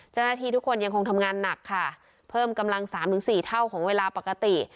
เจ้าหน้าที่ทุกคนยังคงทำงานหนักค่ะเพิ่มกำลัง๓๔เท่าของเวลาปกติ